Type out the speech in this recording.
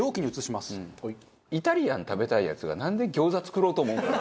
イタリアン食べたいヤツがなんで餃子作ろうと思うのかな？